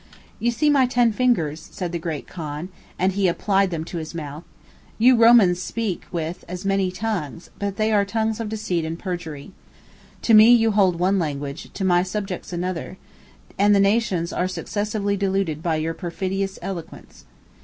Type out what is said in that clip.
"You see my ten fingers," said the great khan, and he applied them to his mouth. "You Romans speak with as many tongues, but they are tongues of deceit and perjury. To me you hold one language, to my subjects another; and the nations are successively deluded by your perfidious eloquence.